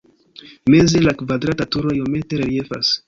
Meze la kvadrata turo iomete reliefas.